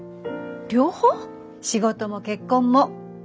仕事も結婚も。